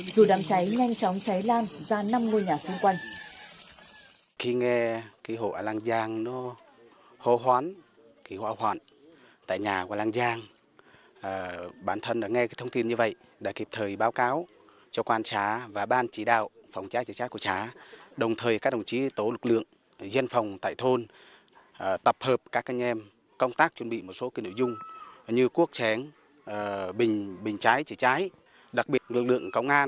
dù đám cháy nhanh chóng cháy lan ra năm ngôi nhà xung quanh